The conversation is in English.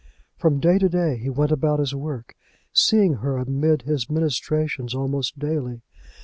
From day to day he went about his work, seeing her amidst his ministrations almost daily.